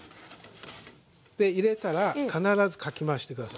で入れたら必ずかき回して下さい。